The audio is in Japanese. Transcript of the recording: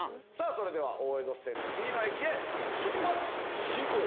それでは大江戸線次の駅へ出発進行！